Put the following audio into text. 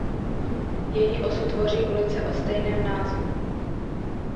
Její osu tvoří ulice o stejném názvu.